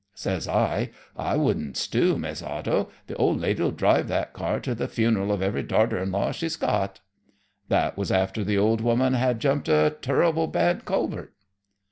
Says I: 'I wouldn't stew, Mis' Otto; the old lady'll drive that car to the funeral of every darter in law she's got.' That was after the old woman had jumped a turrible bad culvert."